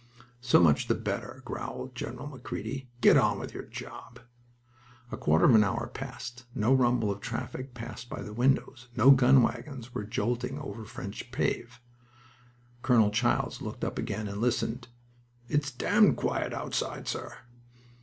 "So much the better," growled General Macready. "Get on with your job." A quarter of an hour passed. No rumble of traffic passed by the windows. No gun wagons were jolting over French pave. Colonel Childs looked up again and listened. "It's damned quiet outside, sir."